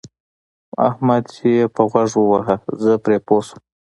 احمد يې په غوږ وواهه زه پرې پوه شوم.